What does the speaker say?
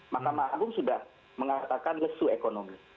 mahkamah agung sudah mengatakan lesu ekonomi